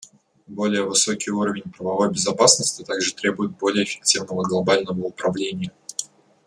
Более высокий уровень правовой безопасности также требует более эффективного глобального управления.